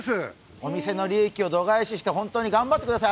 お店の利益を度外視して本当に頑張ってください。